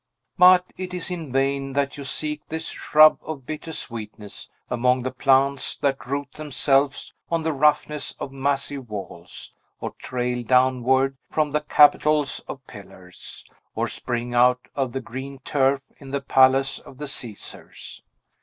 But it is in vain that you seek this shrub of bitter sweetness among the plants that root themselves on the roughness of massive walls, or trail downward from the capitals of pillars, or spring out of the green turf in the palace of the Caesars.